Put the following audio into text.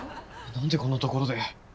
何でこんな所で。